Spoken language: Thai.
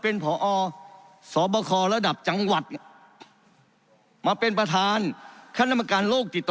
เป็นผอสบครระดับจังหวัดมาเป็นประธานคนรโลกติต่อ